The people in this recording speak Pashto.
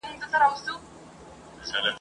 سونډ راشنه سول دهقان و اوبدل تارونه !.